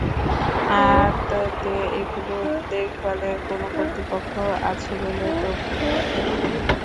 আদতে এগুলো দেখভালের কোনো কর্তৃপক্ষ আছে বলে তো মনে হচ্ছে না।